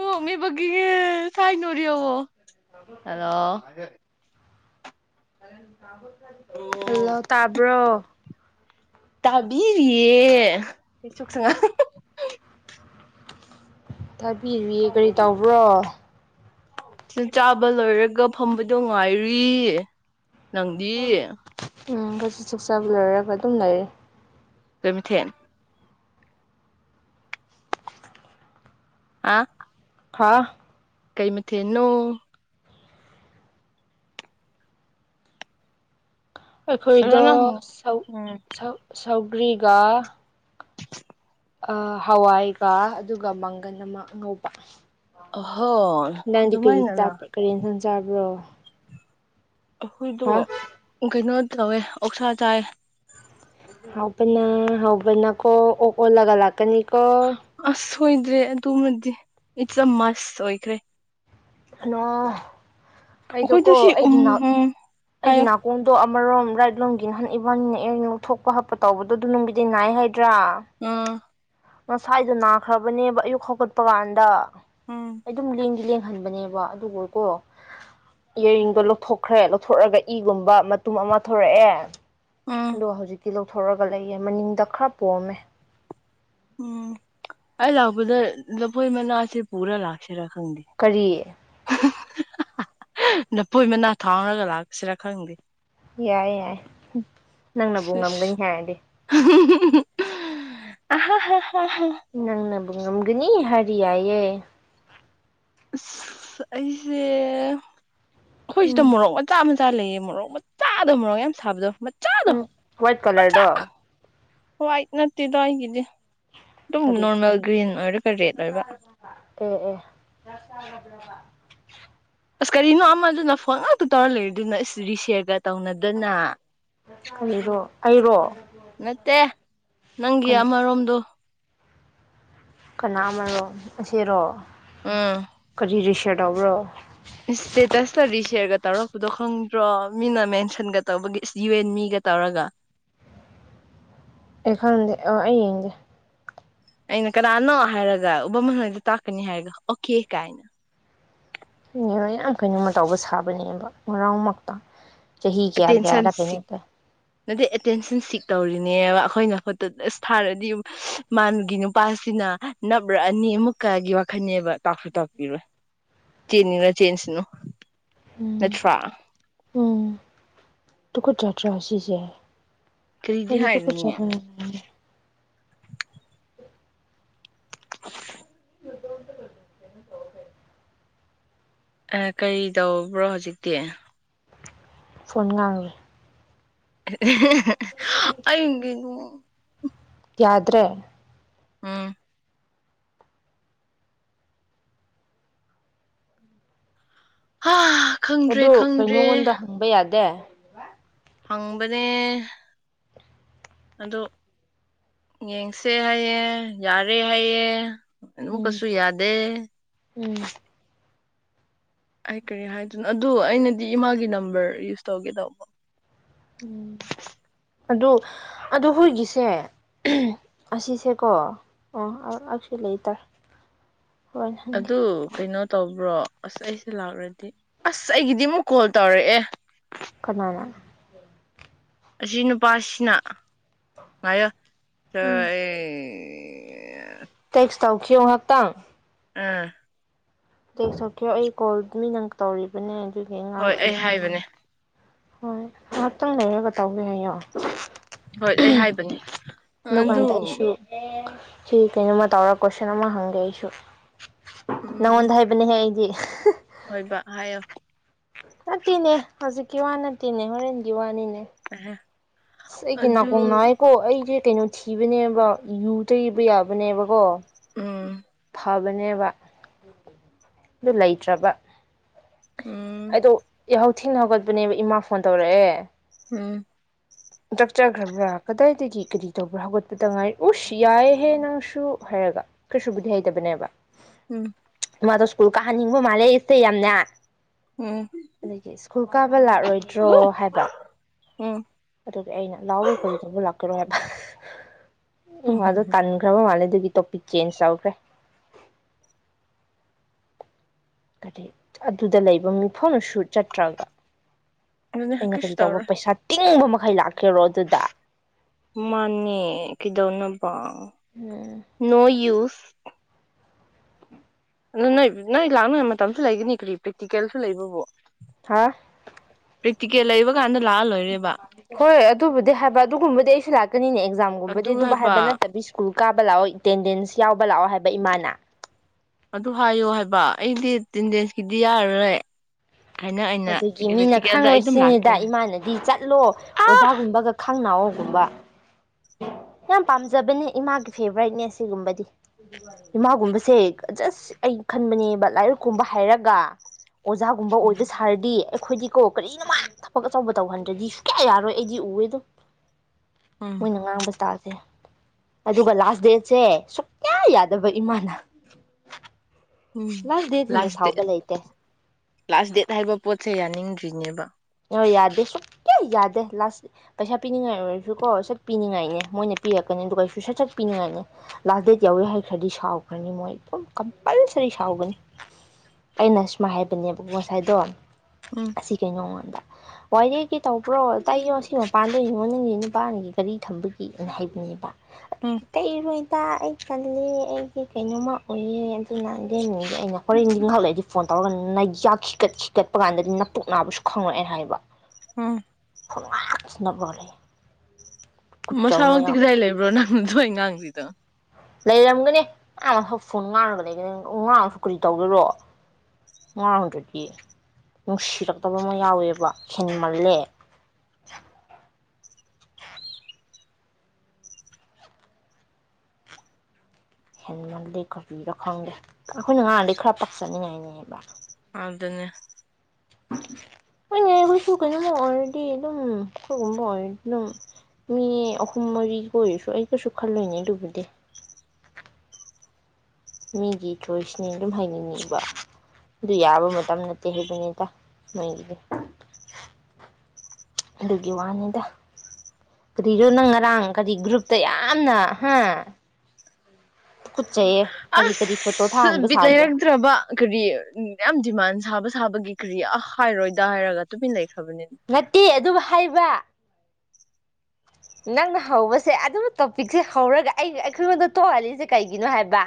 ꯑꯣ ꯃꯤꯕꯒꯤꯒꯦ ꯊꯥꯏꯅꯣꯔꯤꯌꯣꯕꯣ ꯍꯜꯂꯣ ꯂꯧꯁꯤꯟꯕ ꯉꯝꯗꯕ ꯍꯜꯂꯣ ꯇꯥꯕ꯭ꯔꯣ ꯇꯥꯕꯤꯔꯤꯌꯦ ꯆꯨꯛ ꯁꯨ ꯉꯥ ꯍꯨꯡ ꯍꯨꯡ ꯊꯥꯕꯤꯔꯤꯌꯦ ꯀꯔꯤ ꯇꯧꯕ꯭ꯔꯣ ꯊꯤꯜ ꯆꯥꯕ ꯂꯣꯏꯔꯒ ꯐꯝꯕꯗꯣ ꯉꯥꯏꯔꯤ ꯅꯪꯗꯤ- ꯁꯤ ꯆꯥꯛ ꯆꯥꯕ ꯂꯣꯏꯔꯒ ꯑꯗꯨꯝ ꯂꯩꯔꯦ ꯀꯔꯤ ꯃꯊꯦꯟ ꯍꯥꯥ ꯍꯥꯥ ꯀꯩ ꯃꯊꯦꯟꯅꯣ ꯑꯩꯈꯣꯏꯗꯣ ꯁꯧ ꯎꯝ ꯁꯧ ꯁꯧ- ꯒ꯭ꯔꯤꯒꯥ ꯂꯧꯁꯤꯟꯕ ꯉꯝꯗꯕ ꯑꯑ ꯍꯋꯥꯏꯒ ꯑꯗꯨꯒ ꯃꯥꯡꯒꯟ ꯑꯃ ꯑꯉꯧꯕ ꯍꯣ ꯅꯪꯗꯤ ꯀꯔꯤ ꯑꯗꯨꯃꯥꯏꯅꯅ ꯆꯥꯕ꯭ꯔ ꯀꯔꯤ ꯏꯟꯁꯥꯡ ꯆꯥꯕ꯭ꯔꯣ ꯑꯩꯈꯣꯏꯗꯣ ꯍꯥ ꯀꯩꯅꯣ ꯇꯧꯋꯦ ꯑꯣꯛꯁꯥ ꯆꯥꯏ ꯍꯥꯎꯕꯅ ꯍꯥꯎꯕꯅ ꯀꯣ ꯑꯣꯛ ꯑꯣꯜꯂꯒ ꯂꯥꯛꯀꯅꯤ- ꯀꯣ ꯑꯁ ꯁꯣꯏꯗ꯭ꯔꯦ ꯑꯗꯨꯃꯗꯤ ꯏꯠꯁ ꯑꯦ ꯃꯁ ꯑꯣꯏꯈ꯭ꯔꯦ ꯍꯟꯅꯣ- ꯑꯩꯈꯣꯏꯗꯣ ꯑꯩꯗꯣꯀꯣ ꯁꯤ ꯎꯝ ꯑꯩꯒꯤ ꯅꯥꯛ ꯎꯝ ꯑꯩꯒꯤ ꯍꯥꯏꯌꯣ ꯅꯥꯀꯣꯡꯗꯣ ꯑꯃꯔꯣꯝ ꯔꯥꯏꯠ ꯂꯣꯝꯒꯤ ꯅꯍꯥꯟ ꯏꯕ ꯏꯕꯥꯅꯤꯅ ꯑꯦꯌꯥꯔ ꯔꯤꯡ ꯂꯧꯊꯣꯛꯄ ꯍꯥꯞꯄ ꯇꯧꯕꯗꯣ ꯗꯨ ꯅꯨꯡꯕꯨꯗꯤ ꯅꯥꯏ ꯍꯥꯏ ꯇ꯭ꯔꯥ ꯎꯝ ꯉꯁꯥꯏꯗꯣ ꯅꯥꯈ꯭ꯔꯕꯅꯦꯕ ꯑꯌꯨꯛ ꯍꯧꯒꯠꯄ ꯀꯥꯟꯗ ꯎꯝ ꯑꯩ ꯗꯨꯝ ꯂꯦꯡꯗꯤ ꯂꯦꯡ ꯍꯟꯕꯅꯦ ꯕ ꯑꯗꯨꯕꯨꯀꯣ ꯏꯌꯔ ꯔꯤꯡꯗꯣ ꯂꯧꯊꯣꯛꯈ꯭ꯔꯦ ꯂꯧꯊꯣꯛꯑꯒ ꯏꯒꯨꯝꯕ ꯃꯇꯨꯝ ꯑꯃ ꯊꯣꯛꯔꯛꯑꯦ ꯎꯝ ꯑꯗꯣ ꯍꯧꯖꯤꯛꯇꯤ ꯂꯧ- ꯊꯣꯔꯒ ꯂꯩꯌꯦ ꯃꯅꯤꯡꯗ ꯈꯔ ꯄꯣꯝꯃꯦ ꯎꯝ ꯑꯩ ꯂꯥꯛꯄꯗ ꯂꯐꯣꯏ ꯃꯅꯥꯁꯦ ꯄꯨꯔ ꯂꯥꯛꯁꯤ ꯁꯦꯔꯥ ꯈꯪꯗꯦ ꯀꯔꯤ ꯅꯐꯣꯏ ꯃꯅꯥ ꯊꯥꯎꯔꯒ ꯂꯥꯛꯁꯤꯔꯥ ꯈꯪꯗꯦ ꯌꯥꯏ ꯌꯥꯏ ꯅꯪꯅꯕꯨ ꯉꯝꯒꯅꯤ ꯍꯥꯏꯔꯗꯤ ꯑꯍ ꯍ ꯅꯪ ꯅꯕꯨ ꯉꯝꯒꯅꯤ ꯍꯥꯏ ꯀꯔꯤꯌꯥꯌꯦ ꯑꯩꯁꯦ ꯑꯩꯈꯣꯏ ꯁꯤꯗ ꯎꯝ ꯃꯣꯔꯣꯛ ꯃꯆꯥ ꯃ ꯃꯆꯥ ꯂꯩꯑꯌꯦ ꯃꯣꯔꯣꯛ ꯃꯆꯥꯗ ꯃꯣꯔꯣꯛ ꯌꯥꯝ ꯁꯥꯕꯗꯣ ꯃꯆꯥꯗꯣ ꯎꯝ ꯋꯥꯏꯠ ꯀꯂꯔꯗꯣ ꯍꯏꯠ ꯅꯠꯇ ꯇ ꯍꯥꯏꯒꯗꯤ ꯑꯗꯨꯝ ꯀꯔꯤ ꯅꯣꯔꯃꯦꯜ ꯒ꯭ꯔꯤꯟ ꯑꯣꯏꯔꯒ ꯔꯦꯠ ꯑꯣꯏꯕ ꯔꯁ ꯍꯥꯏꯒꯗ꯭ꯔꯕ ꯑꯁ ꯀꯔꯤꯅꯣ ꯑꯃꯗꯨꯅ ꯐꯣꯟꯉ ꯇꯧꯔꯂ ꯂꯩꯔ ꯅ ꯏꯁ ꯔꯤꯁꯤꯤ ꯍꯥꯏꯒ ꯇꯧꯅꯗꯅ ꯀꯔꯤꯔꯣ ꯑꯩꯔꯣ ꯅꯠꯇꯦ ꯅꯪꯒꯤ ꯀꯅꯥ ꯑꯃꯔꯣꯝꯗꯣ ꯀꯅꯥ ꯑꯃꯔꯣ ꯑꯁꯤꯔꯣ ꯑꯥ ꯔꯤꯁꯔꯠ ꯌꯥꯎꯕ꯭ꯔꯣ ꯏꯁꯇꯦꯇꯁꯇ ꯔꯤꯁꯤꯌꯔꯒ ꯇꯧꯔꯛꯄꯗꯣ ꯈꯪꯗ꯭ꯔꯣ ꯃꯤꯅ ꯃꯦꯟꯁꯟꯒ ꯇꯧꯕꯒꯤ ꯌꯨ ꯑꯦꯟ ꯃꯤꯒ ꯇꯧꯔꯒ ꯑꯦ ꯈꯪꯗ ꯑ ꯑꯩ ꯏꯗ ꯑꯩꯅ ꯀꯅꯥꯅꯣ ꯍꯥꯏꯔꯒ ꯎꯕꯝ ꯃꯣꯏꯗ ꯇꯥꯛꯀꯅꯤ ꯍꯥꯏꯔꯒ ꯑꯣꯀꯦ ꯀꯥꯏꯅ ꯑꯅꯦ ꯂꯣꯏ ꯌꯥꯝ ꯀꯣꯏꯩꯅꯅꯨꯡ ꯃꯇꯇꯥꯎꯕ ꯁꯥꯕꯅꯦꯕ ꯉꯔꯥꯎ ꯃꯛꯇ ꯆꯍꯤ ꯆꯍꯤ ꯀꯌꯥ ꯀꯌꯥꯔ ꯀꯩꯅꯗ ꯅꯗ ꯑꯦꯇꯦꯟꯁꯟ ꯁꯤꯛ ꯇꯧꯔꯤꯅꯦꯕ ꯑꯩꯈꯣꯏꯅ ꯐꯣꯠꯇ ꯑꯁ ꯊꯥꯔꯗꯤ ꯃꯥꯒꯤ ꯅꯨꯄꯥꯁꯤꯅ ꯅꯞꯔꯛꯑꯅꯤ ꯑꯃꯨꯛꯀꯒꯤ ꯋꯥꯈꯜꯅꯦꯕ ꯇꯥꯛꯁꯨ ꯇꯥꯛꯄꯤꯔꯣꯏ ꯆꯦꯟꯅꯤꯡꯕꯥ ꯆꯦꯟꯁꯤꯅꯨ ꯎꯝ ꯅꯠꯇ꯭ꯔꯥ ꯇꯨꯀꯨ ꯆꯗꯔꯥ ꯁꯤꯁꯦ ꯀꯔꯤꯗꯤ ꯑꯗꯨꯒꯤ ꯇ ꯀ ꯍꯥꯏꯔꯤꯅꯦ ꯆꯕꯦ ꯀꯔꯤ ꯇꯧꯕ꯭ꯔꯣ ꯍꯧꯖꯤꯛꯇꯤ ꯐꯣꯟ ꯉꯥꯡꯔꯦ [inaudible] ꯑꯩ ꯌꯥꯗ꯭ꯔꯦ ꯑꯥ ꯍ ꯑꯗꯨ ꯀꯩꯅꯣꯉꯣꯟꯗ ꯍꯪꯕ ꯌꯥꯗꯦ ꯗꯦ ꯍꯪꯕꯅꯦ ꯑꯗꯨ ꯌꯦꯡꯁꯦ ꯍꯥꯏꯌꯦ ꯌꯥꯔꯦ ꯍꯥꯏꯌꯦ ꯑꯃꯨꯛ ꯎꯝ ꯀꯩꯁꯨ ꯌꯥꯗꯦ ꯎꯝ ꯑꯩ ꯀꯔꯤ ꯍꯥꯏꯗꯣꯏꯅꯣ ꯑꯗꯨ ꯑꯩꯅꯗꯤ ꯏꯃꯥꯒꯤ ꯅꯝꯕꯔ ꯌꯨꯁ ꯇꯧꯒꯦ ꯇꯧꯕ ꯎꯝ ꯑꯗꯨ ꯑꯗꯨ ꯍꯣꯢꯒꯤꯁꯦ ꯑꯁꯤꯁꯦꯀꯣ ꯑꯣ ꯑꯁꯨ ꯂꯩꯇꯥꯔꯦ ꯑꯗꯨ ꯀꯩꯅꯣ ꯇꯧꯕ꯭ꯔꯣ ꯑꯁ ꯑꯩꯁꯦ ꯂꯥꯎꯔꯗꯤ ꯑꯁ ꯑꯩꯒꯤꯗꯤ ꯑꯃꯨꯛ ꯀꯣꯜ ꯇꯧꯔꯛꯑꯦ ꯀꯅꯥꯅ ꯑꯁꯤ ꯅꯨꯄꯥꯁꯤꯅ ꯉꯌꯣ ꯆ ꯎꯝ ꯑꯦ ꯑꯦ ꯇꯦꯛꯁ ꯇꯥꯎ ꯈꯦꯌꯣ ꯍꯥꯞꯇꯥꯡ ꯑꯥ ꯑꯩ ꯁꯧꯀꯤꯌꯣ ꯑꯩ ꯀꯣꯜ ꯃꯤ ꯅꯪ ꯇꯧꯔꯤꯕꯅꯦ ꯉꯥꯡ ꯍꯣꯏ ꯑꯩ ꯍꯥꯏꯕꯅꯦ [unintelligible] ꯍꯣꯢ ꯉꯛꯇꯪ ꯂꯩꯔꯒꯥ ꯇꯧꯒꯦ ꯍꯥꯏꯌꯣ ꯍꯣꯏ ꯑꯩ ꯍꯥꯏꯕꯅꯦ ꯑꯗꯨ ꯂꯀꯥꯟꯗꯑꯩꯁꯨ ꯁꯤ ꯀꯩꯅꯣ ꯃꯥ ꯇꯧꯔꯥ ꯀ꯭ꯋꯦꯁꯟ ꯑꯃ ꯍꯪꯒꯦꯁꯨ ꯎꯝ ꯅꯪꯉꯣꯟꯗ ꯍꯥꯏꯕꯅꯦꯍꯦ ꯑꯩꯗꯤ ꯍꯣꯏꯕ ꯍꯥꯏꯌꯣ ꯅꯠꯇꯅꯦ ꯍꯧꯖꯤꯛꯀꯤ ꯋꯥ ꯅꯠꯇꯤꯅꯦ ꯍꯣꯔꯦꯟꯒꯤ ꯋꯥꯅꯤꯅꯦ ꯑ ꯑꯩꯒꯤ ꯅꯥꯀꯣꯡ ꯅꯑꯩ ꯀꯣ ꯑꯩꯗꯤ ꯀꯩꯅꯣ ꯊꯤꯕꯅꯦꯕ ꯌꯨ ꯇꯩꯕ ꯌꯥꯕꯅꯦꯕꯀꯣ ꯑꯝ ꯐꯕꯅꯦꯕ ꯑꯗꯨ ꯂꯩꯇ꯭ꯔꯕ ꯎꯝ ꯑꯗꯣ ꯌꯥꯎ ꯊꯤꯟ ꯍꯧꯒꯠꯄꯅꯦꯕ ꯏꯃꯥ ꯐꯣꯟ ꯇꯧꯔꯛꯑꯦ ꯎꯝ ꯆꯥꯛꯆꯈ꯭ꯔꯕ꯭ꯔꯥ ꯀꯗꯥꯏꯗꯒꯤ ꯀꯔꯤ ꯇꯧꯕ꯭ꯔꯥ ꯍꯧꯒꯠꯄꯗ ꯉꯥꯏ ꯎꯁ ꯌꯥꯏꯍꯦ ꯅꯪꯁꯨ ꯍꯥꯏꯔꯒ ꯀꯩꯁꯨꯕꯨꯗꯤ ꯍꯩꯇꯕꯅꯦꯕ ꯎꯝ ꯃꯥꯗꯣ ꯁ꯭ꯀꯨꯜ ꯀꯥꯍꯟꯅꯤꯡꯕ ꯃꯥꯜꯂꯦ ꯏꯁꯦ ꯌꯥꯝꯅ ꯎꯝ ꯑꯗꯒꯤ ꯁ꯭ꯀꯨꯜ ꯀꯥꯕ ꯂꯥꯛꯔꯣꯏꯗ꯭ꯔꯣ ꯍꯥꯏꯕ ꯎꯝ ꯑꯗꯨꯒ ꯑꯩꯅ ꯂꯥꯎꯔꯣꯏ ꯀꯔꯤ ꯍꯝ ꯇꯧꯕ ꯂꯥꯛꯀꯦꯔ [unintelligible] ꯎꯝ ꯍꯝ ꯑꯗꯣ ꯍꯝ ꯇꯟꯈ꯭ꯔꯕ ꯃꯂꯦꯗꯤ ꯑꯗꯨꯒꯤ ꯇꯣꯄꯤꯛ ꯆꯦꯟꯖ ꯇꯧꯈ꯭ꯔꯦ ꯀꯔꯤ ꯑꯗꯨꯗ ꯂꯩꯕ ꯃꯤꯐꯝ ꯁꯨ ꯆꯠꯇ꯭ꯔꯒ ꯑꯗꯨꯅꯦ ꯑꯩꯅ ꯀꯔꯤ ꯇꯧꯕ ꯄꯩꯁꯥ ꯇꯤꯡꯕꯃꯛ ꯈ ꯂꯥꯛ ꯃꯥꯅꯤ ꯀꯗꯧꯅ ꯑ ꯎꯝ ꯅꯣ ꯌꯨꯁ ꯑꯗꯨ ꯅꯣꯏ ꯅꯣꯏ ꯂꯥꯛꯅꯕꯉꯩ ꯃꯇꯝꯁꯨ ꯂꯩꯒꯅꯤ ꯀꯔꯤ ꯄ꯭ꯔꯦꯛꯇꯤꯀꯦꯜꯁꯨ ꯂꯩꯕꯕꯨꯣ ꯍꯥ ꯄꯔꯤꯤꯀꯤꯑꯂ ꯏꯒ ꯍꯣꯏ ꯑꯗꯨꯕꯨꯗꯤ ꯍꯥꯏꯕ ꯑꯗꯨꯒꯨꯝꯕꯗꯤ ꯑꯩꯁꯨ ꯂꯥꯛꯀꯅꯤꯅꯦ ꯑꯦꯛꯖꯥꯝꯒꯨꯝꯕꯗꯤ ꯑꯗꯨꯕꯨ ꯍꯥꯏꯕ ꯅꯠꯇꯕꯤ ꯁ꯭ꯀꯨꯜ ꯀꯥꯕ ꯂꯥꯛꯑꯣ ꯑꯦꯇꯦꯟꯗꯦꯟꯁ ꯌꯥꯎꯕ ꯂꯥꯛꯑꯣ ꯍꯥꯏꯕ ꯏꯃꯥꯅ ꯑꯗꯨ ꯍꯥꯏꯌꯣ ꯍꯥꯏꯕ ꯑꯩꯗꯤ ꯑꯦꯦꯟꯗꯦꯟꯁꯀꯤꯗꯤ ꯌꯥꯔꯔꯣꯏ ꯍꯥꯏꯅ ꯑꯩꯅ ꯑꯗꯨꯒꯤ ꯃꯤꯅ ꯄ꯭ꯔꯦꯛꯇꯤꯀꯦꯜꯗ ꯑꯩ ꯑꯗꯨꯝ ꯂꯥꯛꯀꯦ ꯈꯪꯉꯣꯏꯁꯤꯅꯤꯗ ꯏꯃꯥꯅꯗꯤ ꯆꯠꯂꯣ ꯑꯥ ꯑꯣꯖꯥꯒꯨꯝꯕꯒ ꯈꯪꯅꯎ ꯌꯥꯝ ꯄꯥꯝꯖꯕꯅꯦ ꯏꯃꯥꯒꯤ ꯐꯦꯚꯣꯔꯥꯏꯠꯅꯦꯁ ꯁꯤꯒꯨꯝꯕꯗꯤ ꯏꯃꯥꯒꯨꯝꯕꯁꯦ ꯖꯁ ꯑꯩ ꯈꯟꯕꯅꯦꯕ ꯂꯥꯏꯔꯤꯛꯀꯨꯝꯕ ꯍꯥꯏꯔꯒ ꯑꯣꯖꯥꯒꯨꯝꯕ ꯑꯣꯏꯕ ꯎꯝ ꯍꯥꯏꯔꯗꯤ ꯑꯩꯈꯣꯏꯗꯤ ꯀꯣ ꯀꯔꯤꯅꯣ ꯃꯥ ꯊꯕꯛ ꯑꯆꯧꯕ ꯇꯧꯍꯟꯗ꯭ꯔꯗꯤ ꯁꯨꯡ ꯀꯌꯥ ꯌꯥꯔꯣꯏ ꯑꯩꯗꯤ ꯎꯋꯦꯗꯣ ꯎꯝ ꯃꯣꯏꯅ ꯉꯥꯡꯕ ꯆꯥꯦ ꯑꯗꯨꯒ ꯂꯥꯁ ꯗꯦꯠꯁꯦ ꯁꯨꯌꯥ ꯌꯥꯗꯕ ꯏꯃꯥꯅ ꯎꯝ ꯂꯥꯁ ꯗꯦꯁꯤꯦꯅ ꯁꯥꯎꯕ ꯂꯩꯇꯦ ꯂꯥꯁ ꯗꯦꯠ ꯍꯥꯏꯕ ꯄꯣꯠꯁꯦ ꯌꯥꯅꯤꯡꯗ꯭ꯔꯤꯅꯦꯕ ꯌꯥꯗꯦ ꯁꯨꯡꯛꯀꯤꯌꯥ ꯌꯥꯗꯦ ꯂꯥꯁ ꯄꯩꯁꯥ ꯄꯤꯅꯤꯡꯉꯥꯏ ꯑꯣꯏꯔꯁꯨꯀꯣ ꯁꯠ ꯄꯤꯅꯤꯡꯉꯥꯏꯅꯦ ꯃꯣꯏꯅ ꯄꯤꯔꯛꯀꯅꯤ ꯑꯗꯨꯒ ꯑꯩꯁꯨ ꯁꯠ ꯁꯠ ꯄꯤꯅꯤꯡꯉꯥꯏꯅꯦ ꯂꯥꯁ ꯗꯦꯠ ꯌꯥꯎꯋꯦ ꯍꯥꯏꯈ꯭ꯔꯗꯤ ꯁꯥꯎꯈ꯭ꯔꯅꯤ ꯃꯣꯏ ꯑꯗꯨꯝ ꯀꯝꯄꯜꯁꯔꯤ ꯁꯥꯎꯒꯅꯤ ꯑꯩꯅ ꯁꯨꯃꯥꯏ ꯍꯥꯏꯕꯅꯦꯕꯀꯣ ꯉꯁꯥꯏꯗꯣ ꯎꯝ ꯑꯁꯤ ꯁꯤ ꯀꯩꯅꯩꯅꯣꯉ ꯑ ꯋꯥꯏꯔꯦ ꯀ ꯇꯧꯕ꯭ꯔꯣ ꯇꯥꯏꯉꯣ ꯉ ꯁꯤ ꯃꯄꯥꯟꯗ ꯏꯉꯣ ꯃꯅꯨꯡꯒꯤ ꯅꯨꯄꯥꯅꯤꯒꯤ ꯒꯥꯔꯤ ꯊꯝꯕꯒꯤ ꯑꯅ ꯍꯥꯏꯕꯤꯅꯦꯕ ꯎꯝ ꯇꯩꯔꯣꯏꯗ ꯑꯩ ꯈꯜꯂꯤ ꯑꯩꯒꯤ ꯀꯩꯅꯣꯝꯃ ꯑꯣꯏꯌꯦꯦ ꯑꯗꯨꯅꯗꯦꯟ ꯅꯗꯤ ꯑꯩꯅ ꯍꯣꯔꯦꯟꯗꯤ ꯉꯥꯏꯍꯥꯛꯂꯏꯗꯤ ꯐꯣꯟ ꯇꯧꯔꯒ ꯅ ꯌꯥꯛ ꯀꯠꯈꯤ ꯀꯠꯄ ꯀꯥꯟꯗꯗꯤ ꯅꯅꯥꯄꯣꯛ ꯅꯥꯕꯁꯨ ꯈꯪꯉꯛꯑꯦꯅ ꯍꯥꯏꯕ ꯑꯝ ꯐꯣꯡꯉꯁꯤꯅꯕꯣ ꯂꯩꯦ ꯃꯁꯥꯃ ꯇꯒ ꯆꯥꯏ ꯂꯩꯕ꯭ꯔꯣ ꯅꯪꯁꯨ ꯉꯥꯡꯁꯤꯗꯣ ꯂꯩꯔꯝꯒꯅꯤ ꯑꯌꯥꯝ ꯑꯃ ꯐꯛ ꯐꯨꯅꯨꯡꯉꯥꯡꯨꯕ ꯉꯥꯡꯐꯛ ꯀꯗꯤ ꯇꯧꯗꯣꯏꯔꯣ ꯉꯉꯥꯡꯗ꯭ꯔꯗꯤ ꯅꯨꯡꯁꯤꯔꯛꯇꯕ ꯑꯃ ꯌꯥꯎꯋꯦꯕ ꯍꯦꯟꯃꯜꯂꯦ ꯍꯦꯟꯃꯜꯜꯂꯤ ꯀꯣꯕꯤꯗꯣ ꯈꯪꯗꯦ ꯑꯩꯈꯣꯏꯅ ꯉꯔꯥꯡꯩ ꯈꯔ ꯄꯛꯆꯅꯤꯡꯉꯥꯏꯅꯦꯕ ꯑꯗꯨꯗꯅꯦꯦ ꯍꯣꯏꯅꯦ ꯑꯩꯈꯣꯏꯁꯨ ꯀꯩꯅꯣꯝꯃ ꯑꯣꯏꯔꯗꯤ ꯑꯗꯨꯝ ꯀꯣꯏꯒꯨꯝꯕ ꯑꯣꯏꯔꯗꯤ ꯑꯗꯨꯝ ꯃꯤ ꯑꯍꯨꯝ ꯃꯔꯤꯒ ꯑꯣꯏꯔꯁꯨ ꯑꯩ ꯀꯩꯁꯨ ꯈꯜꯂꯣꯏꯅꯦ ꯑꯗꯨꯕꯨꯗꯤ ꯃꯤꯒꯤ ꯊꯣꯏꯁꯅꯤ ꯑꯗꯨꯝ ꯍꯥꯏꯩꯅꯤꯡꯉꯏꯕ ꯑꯗꯨ ꯌꯥꯕ ꯃꯇꯝ ꯅꯠꯇꯦ ꯍꯩꯕꯅꯤꯗ ꯃꯣꯏꯒꯤꯗꯤ ꯑꯗꯨꯒꯤ ꯋꯥꯅꯤꯗ ꯀꯔꯤꯗꯣ ꯅꯪ ꯉꯔꯥꯡ ꯀꯔꯤ ꯒ꯭ꯔꯨꯞꯇ ꯌꯥꯝꯅ ꯍꯥ ꯀꯆ ꯀꯔꯤ ꯀꯔꯤ ꯐꯣꯇꯣ ꯊꯥꯍꯟꯕ ꯁꯥꯕ꯭ꯔꯥ ꯂꯩꯔꯛꯇ꯭ꯔꯕ ꯀꯔꯤ ꯌꯥꯝ ꯗꯤꯃꯥꯟ ꯁꯥꯕꯗ ꯁꯥꯕꯒꯤ ꯀ꯭ꯔꯤ ꯑ ꯍꯥꯏꯔꯣꯏꯗ ꯍꯥꯏꯔꯒ ꯇꯨꯃꯤꯟ ꯂꯩꯈ꯭ꯔꯦ ꯔꯠꯇꯤ ꯑꯗꯨ ꯑꯗꯨ ꯍꯥꯏꯥꯏꯕ ꯅꯪꯅ ꯍꯧꯕꯁꯦ ꯑꯗꯨꯝ ꯇꯣꯄꯤꯛꯁꯦ ꯍꯧꯔꯒ ꯑꯩ ꯑꯩꯈꯣꯏꯉꯗ ꯇꯣꯛꯍꯜꯂꯤꯁꯦ ꯀꯩꯒꯤꯅꯣ ꯍꯥꯏꯕ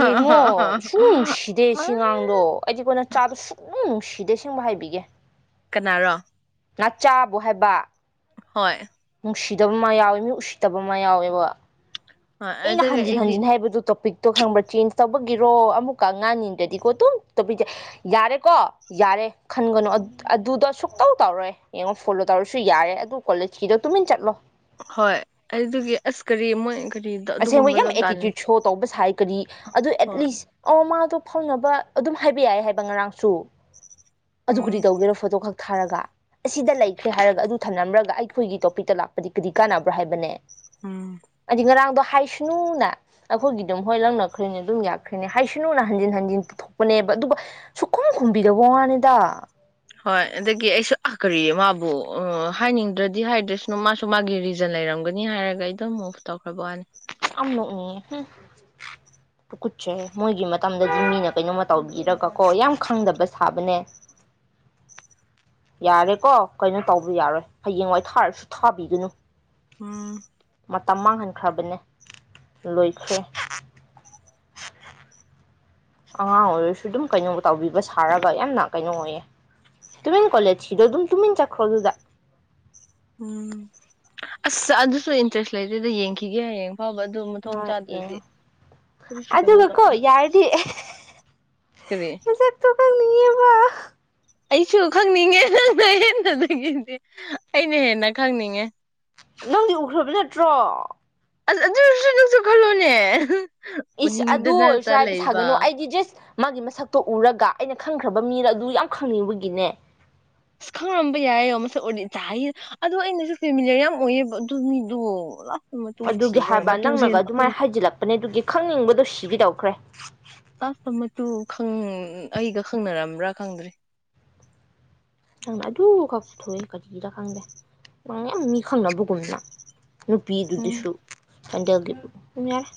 ꯌꯦꯡꯉꯣ ꯁꯨꯡ ꯅꯨꯡ ꯅꯨꯡꯁꯤꯗꯦ ꯁꯤ ꯉꯥꯡꯗꯣ ꯑꯩꯗꯤ ꯀꯣꯏꯅ ꯆꯥꯗꯣ ꯁꯨꯡ ꯅꯨꯡꯁꯤ ꯐꯤꯗꯩ ꯁꯤꯡꯕ ꯍꯥꯏꯕꯤꯒꯦ ꯀꯅꯥꯔꯣ ꯅꯆꯥꯕꯨ ꯍꯥꯏꯕ ꯍꯣꯏ ꯎꯁꯤꯗꯕ ꯑꯃ ꯌꯥꯎꯋꯦ ꯃꯤ ꯎꯁꯤꯠꯇꯕ ꯑꯃ ꯌꯥꯎꯋꯦꯕ ꯍꯣꯏ ꯑꯦꯩꯅ ꯑꯗꯨꯒꯤ ꯍꯥꯟꯖꯤ ꯑꯩꯗꯤ ꯍꯥꯟꯖꯤ ꯅꯍ ꯍꯥꯏꯕꯗꯨ ꯇꯣꯄꯤꯛ ꯇꯣ ꯈꯪꯕ꯭ꯔꯥ ꯆꯦꯟꯖ ꯇꯧꯕꯒꯤꯔꯣ ꯑꯃꯨꯛꯀ ꯉꯥꯅꯤꯗ꯭ꯔꯗꯤꯀꯣ ꯇꯨꯡ ꯇꯄꯤꯖ ꯌꯥꯔꯦꯀꯣ ꯌꯥꯔꯦ ꯈꯟꯒꯅꯨ ꯑꯗꯨꯗ ꯁꯨꯛꯇꯧ ꯇꯧꯔꯣꯏ ꯌꯦꯡꯉꯣ ꯐꯣꯂꯣ ꯇꯧꯔꯁꯨ ꯌꯥꯔꯦ ꯑꯗꯨ ꯀꯣꯂꯦꯖ ꯁꯤꯗꯣ ꯇꯨꯃꯤ ꯆꯠꯂꯣ ꯍꯣꯏ ꯑꯗꯨꯒꯤ ꯑꯁ ꯀꯔꯤ ꯃꯣꯏ ꯀꯔꯤꯗ ꯑꯁꯦꯡꯕ ꯌꯥꯝ ꯑꯗꯨꯒꯨꯝꯕꯗꯣ ꯇꯥꯟ ꯑꯦꯇꯤꯇ꯭ꯌꯨꯠ ꯁꯣ ꯇꯧꯕ ꯁꯥꯏꯒꯗꯤ ꯑꯗꯨ ꯍꯣꯏ ꯑꯦꯠꯂꯤꯁ ꯑ ꯃꯥꯗꯣ ꯐꯥꯎꯅꯕ ꯑꯗꯨꯝ ꯍꯥꯏꯕ ꯌꯥꯏ ꯍꯥꯏꯕ ꯉꯔꯥꯡꯁꯨ ꯎꯝ ꯑꯗꯨꯕꯨꯗꯤ ꯇꯧꯒꯦꯅꯣ ꯐꯣꯇꯣ ꯈꯛꯇ ꯊꯥꯔꯒ ꯑꯁꯤꯗ ꯂꯩꯈ꯭ꯔꯦ ꯍꯥꯏꯔꯒ ꯑꯗꯨ ꯊꯝꯂꯝꯔꯒ ꯑꯩꯈꯣꯏꯒꯤ ꯇꯣꯄꯤꯛꯇ ꯂꯥꯛꯄꯗꯤ ꯀꯔꯤ ꯀꯥꯟꯅꯕ꯭ꯔꯣ ꯍꯥꯏꯕꯅꯦ ꯎꯝ ꯑꯖꯤꯤꯡ ꯉꯔꯥꯡꯗ ꯍꯥꯏꯁꯅꯨꯅ ꯑꯩꯈꯣꯏꯒꯤ ꯑꯗꯨꯝ ꯍꯣꯏ ꯂꯧꯪꯅꯈ꯭ꯔꯔꯤꯅꯦ ꯑꯗꯨꯝ ꯌꯥꯛꯈ꯭ꯔꯤꯅꯦ ꯍꯥꯏꯁꯅꯨꯅ ꯍꯟꯖꯤꯟ ꯍꯟꯖꯤꯟ ꯄꯨꯊꯣꯛꯄꯅꯦꯕ ꯑꯗꯨꯒ ꯁꯨꯈꯨꯝ ꯈꯨꯝꯕꯤꯗꯕ ꯋꯥꯅꯤꯗ ꯍꯣꯏ ꯑꯗꯒꯤ ꯑꯩꯁꯨ ꯑ ꯀꯔꯤ ꯃꯥꯕꯨ ꯍꯥꯏꯅꯤꯡꯗ꯭ꯔꯗꯤ ꯍꯥꯏꯗ꯭ꯔꯦꯁꯅ ꯃꯥꯁꯨ ꯃꯥꯒꯤ ꯔꯤꯖꯟ ꯂꯩꯔꯝꯒꯅꯤ ꯍꯥꯏꯔꯒ ꯑꯩ ꯑꯗꯨꯝ ꯃꯨ ꯇꯧꯈ꯭ꯔꯕ ꯋꯥꯅꯤ ꯌꯥꯝ ꯅꯣꯛꯅꯤꯡꯉꯦ ꯎꯝ ꯀꯨꯀꯨꯠꯁꯦ ꯃꯣꯏꯒꯤ ꯃꯇꯝꯗꯗꯤ ꯃꯤꯅ ꯀꯩꯅꯣꯝꯃ ꯇꯧꯕꯤꯔꯒ ꯀꯣ ꯌꯥꯝ ꯈꯪꯗꯕ ꯁꯥꯕꯅꯦ ꯌꯥꯔꯦꯀꯣ ꯀꯩꯅꯣ ꯇꯧꯕ ꯌꯥꯔꯣꯏ ꯍꯌꯦꯡ ꯋꯥꯏ ꯊꯥꯔꯁꯨ ꯊꯥꯕꯤꯒꯅꯨ ꯎꯝ ꯇ ꯃꯥꯡꯍꯟꯈ꯭ꯔꯕꯅꯦ ꯂꯣꯏꯁ ꯑꯉꯥꯡ ꯑꯣꯏꯔꯁꯨ ꯑꯗꯨꯝ ꯀꯩꯅꯣ ꯇꯧꯕꯤꯕ ꯁꯥꯔꯒ ꯌꯥꯝꯅ ꯀꯩꯅꯣ ꯑꯣꯏꯌꯦ ꯇꯨꯃꯤꯟ ꯀꯣꯂꯦꯖꯀꯤꯗꯣ ꯑꯗꯨꯝ ꯇꯨꯃꯤꯟ ꯆꯠꯈ꯭ꯔꯣ ꯑꯗꯨꯗ ꯎꯝ ꯑꯁ ꯑꯗꯨꯁꯨ ꯏꯟꯇ꯭ꯔꯦꯁ ꯂꯩꯗꯦꯗ ꯌꯦꯡꯈꯤꯒꯦꯌꯦꯡ ꯐꯕ ꯑꯗꯨ ꯃꯊꯣꯡ ꯍꯣꯏ ꯆꯥꯗ꯭ꯔꯗꯤ ꯌꯦꯡꯉꯣ ꯀꯔꯤꯁꯨ ꯀꯩꯅꯣ ꯇꯧ ꯑꯗꯨꯒꯀꯣ ꯌꯥꯔꯗꯤ ꯃꯁꯛꯇꯣ ꯈꯪꯅꯤꯡꯉꯦꯕ ꯑꯩꯁꯨ ꯈꯪꯅꯤꯡꯉꯦ ꯅꯪꯅꯍꯦꯟꯕꯗꯒꯤꯗꯤ ꯑꯩꯅ ꯍꯦꯟꯅ ꯈꯪꯅꯤꯡꯉꯦ ꯅꯪꯗꯤ ꯎꯈ꯭ꯔꯕ ꯅꯠꯇ꯭ꯔꯣ ꯑꯁ ꯑꯗꯨꯁꯨ ꯅꯪꯁꯨ ꯈꯜꯂꯣꯅꯦ ꯏꯁ ꯑꯗꯨ ꯑꯣꯏꯔꯁꯨ ꯎꯅꯤꯡꯗꯅꯇ ꯍꯥꯏꯕ ꯂꯩꯕ ꯁꯥꯒꯅꯨ ꯑꯩꯗꯤ ꯖꯁ ꯃꯥꯒꯤ ꯃꯁꯛꯇꯣ ꯎꯔꯒ ꯑꯩꯅ ꯈꯪꯈ꯭ꯔꯕ ꯃꯤꯅ ꯑꯗꯨ ꯌꯥꯝ ꯈꯪꯅꯤꯡꯕꯒꯤꯅꯦ ꯑꯁ ꯈꯪꯔꯝꯕ ꯌꯥꯏꯌꯦ ꯃꯁꯛ ꯑꯣꯏꯗꯤ ꯆ ꯑꯗꯣ ꯑꯩꯅꯁꯨ ꯐꯦꯃꯤꯂꯤꯔ ꯌꯥꯝ ꯑꯣꯏꯌꯦꯕ ꯑꯗꯨ ꯃꯤꯗꯣ ꯃꯇꯨ ꯑꯗꯨꯒꯤ ꯊꯤꯕ ꯑꯣꯏꯔ ꯍꯥꯏꯕ ꯃꯇꯨꯁꯦ ꯅꯪꯅꯒ ꯑꯩꯈꯣꯏ ꯑꯗꯨꯃꯥꯏꯅ ꯍꯥꯏꯖꯤꯜꯂꯛꯄꯅꯦ ꯑꯗꯨꯒꯤ ꯈꯪꯅꯤꯡꯕꯗꯣ ꯁꯤꯕꯤ ꯇꯧꯈ꯭ꯔꯦ ꯀ꯭ꯂꯥꯁꯇꯨꯪ ꯑꯩꯒ ꯈꯪꯅꯔꯝꯕ꯭ꯔꯥ ꯈꯪꯗ꯭꯭ꯔꯔꯤ ꯅꯪꯅ ꯑꯗꯨ ꯈꯛ ꯄꯨꯊꯣꯛꯑꯦ ꯀꯖꯤꯗ ꯈꯪꯗꯦ ꯋꯥ ꯌꯥꯝ ꯃꯤ ꯈꯪꯅꯕꯒꯨꯝꯅ ꯎꯝ ꯅꯨꯄꯤꯗꯨꯗꯁꯨ ꯑ ꯌꯥꯔ